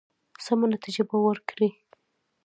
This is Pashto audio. سمه نتیجه به ورکړي.